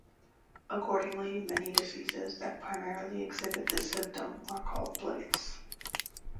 Accordingly, many diseases that primarily exhibit this symptom are called blights.